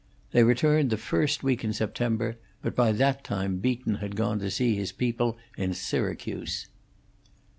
They returned the first week in September; but by that time Beaton had gone to see his people in Syracuse.